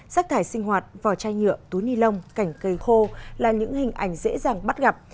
rác thải sinh hoạt vò chai nhựa túi ni lông cảnh cây khô là những hình ảnh dễ dàng bắt gặp